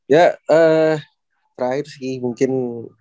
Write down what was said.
ya terakhir sih mungkin